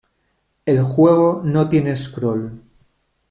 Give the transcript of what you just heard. El juego no tiene scroll.